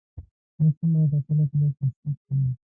اوس هم راته کله کله کيسې کوي.